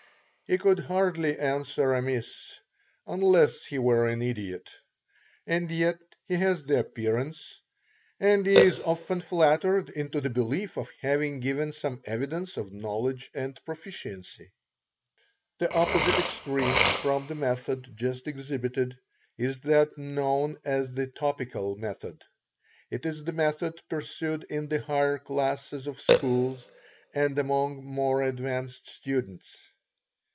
He could hardly answer amiss, unless he were an idiot, and yet he has the appearance, and he is often flattered into the belief, of having given some evidence of knowledge and proficiency. The opposite extreme from the method just exhibited, is that known as the topical method. It is the method pursued in the higher classes of schools, and among more advanced students.